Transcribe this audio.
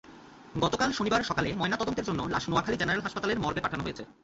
গতকাল শনিবার সকালে ময়নাতদন্তের জন্য লাশ নোয়াখালী জেনারেল হাসপাতালের মর্গে পাঠানো হয়েছে।